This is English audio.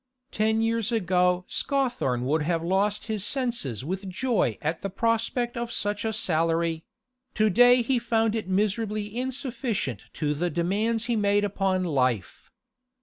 Ten years ago Scawthorne would have lost his senses with joy at the prospect of such a salary; to day he found it miserably insufficient to the demands he made upon life.